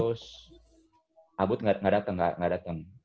terus albut nggak dateng